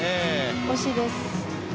惜しいです。